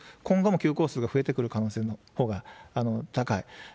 今後も休校数が増えてくる可能性のほうが高い。